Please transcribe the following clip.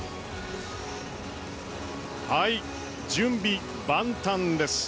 準備万端です。